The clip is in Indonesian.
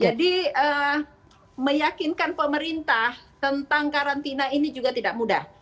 jadi meyakinkan pemerintah tentang karantina ini juga tidak mudah